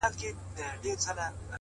دا عجیب منظرکسي ده؛ وېره نه لري امامه؛